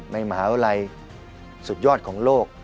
ในมหาวิทยาลัยสุดยอดของโลก